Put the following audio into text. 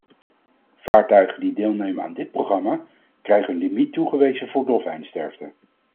Vaartuigen die deelnemen aan dit programma krijgen een limiet toegewezen voor dolfijnsterfte.